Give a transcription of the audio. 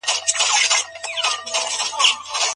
د لاس لیکنه د زده کوونکو د استدلال توان لوړوي.